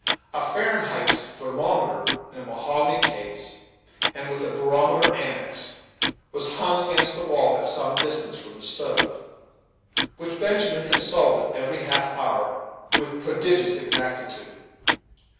A Fahrenheit's thermometer in a mahogany case, and with a barometer annexed, was hung against the wall, at some little distance from the stove, which Benjamin consulted, every half hour, with prodigious exactitude.